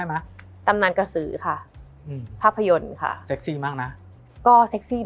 มันทำให้ชีวิตผู้มันไปไม่รอด